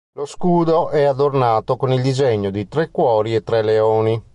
Lo scudo è adornato con il disegno di tre cuori e tre leoni.